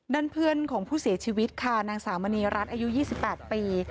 นั่นเพื่อนของผู้เสียชีวิตค่ะนางสาวมณีรัฐอายุ๒๘ปี